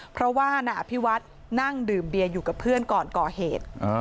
เพราะว่านายอภิวัฒน์นั่งดื่มเบียร์อยู่กับเพื่อนก่อนก่อเหตุ